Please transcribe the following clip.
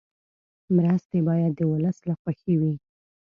مرستې باید د ولس له خوښې وي.